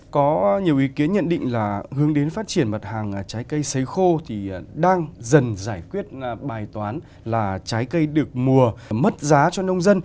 có nhiều ý kiến nhận định là hướng đến phát triển mặt hàng trái cây xấy khô thì đang dần giải quyết bài toán là trái cây được mùa mất giá cho nông dân